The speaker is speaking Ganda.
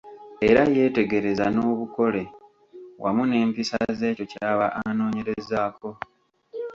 Era yeetegereza n’obukole wamu n’empisa z’ekyo ky'aba anoonyerezaako.